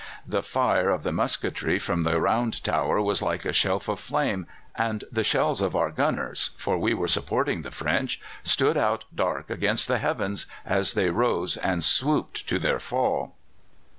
The fire of the musketry from the round tower was like a shelf of flame, and the shells of our gunners for we were supporting the French stood out dark against the heavens as they rose and swooped to their fall.